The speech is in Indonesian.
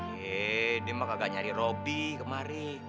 yee dia mah kagak nyari robby kemari